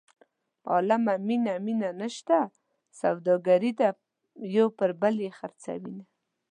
عالمه مینه مینه نشته سوداګري ده یو پر بل یې خرڅوینه.